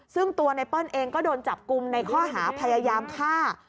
ซึ่งตัวไนเปิ้ลเองก็โดนจับกลุ่มในข้อหาพยายามฆ่า